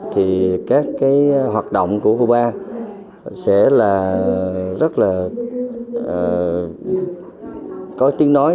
thì các hoạt động của huba sẽ là rất là có tiếng nói